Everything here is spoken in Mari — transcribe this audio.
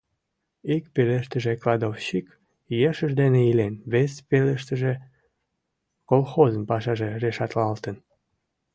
Ик пелыштыже кладовщик ешыж дене илен, вес пелыштыже колхозын пашаже решатлалтын.